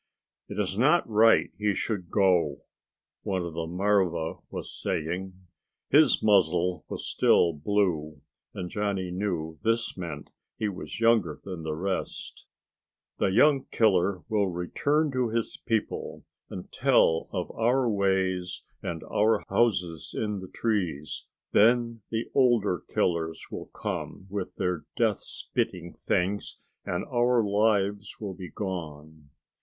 "It is not right he should go," one of the marva was saying. His muzzle was still blue, and Johnny knew this meant he was younger than the rest. "The young killer will return to his people and tell of our ways and of our houses in the trees. Then the older killers will come with their death spitting things and our lives will be gone.